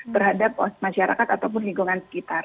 terhadap masyarakat ataupun lingkungan sekitar